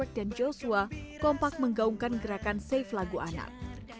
kompak menggaungkan gerakan save lagu anak